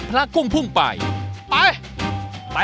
ไปคุณไปไป